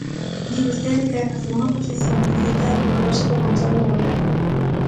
Di vostede que vai facer unha oposición estrita e rigorosa do control do Goberno.